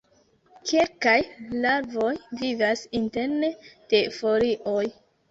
Kelkaj larvoj vivas interne de folioj.